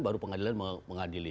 baru pengadilan mengadili